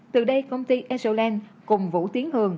từ đây công ty enso land cùng vũ tiến hường